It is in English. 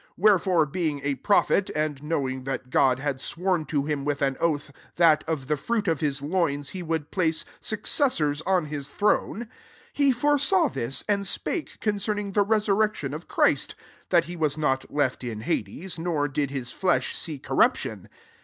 SO Wherefore, being a prophet, and knowing that God had sworn to him with an oath, that of the fruit of his loins he would place succeiaors on his throne ; 31 he foresaw t/ua, and spake concerning the resurrecdon of Christ; that he was not left in hades, nor did his flesh see corruption.